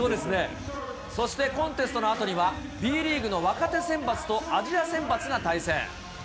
そしてコンテストのあとには、Ｂリーグの若手選抜とアジア選抜が対戦。